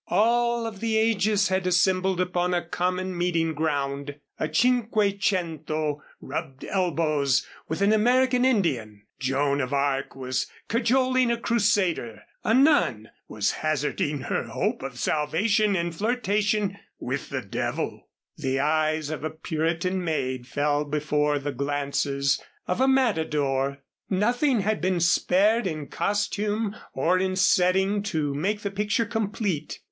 All of the ages had assembled upon a common meeting ground; a cinquecento rubbed elbows with an American Indian, Joan of Arc was cajoling a Crusader, a nun was hazarding her hope of salvation in flirtation with the devil, the eyes of a Puritan maid fell before the glances of a matador. Nothing had been spared in costume or in setting to make the picture complete.